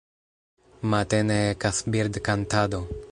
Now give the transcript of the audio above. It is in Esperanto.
Matene ekas birdkantado.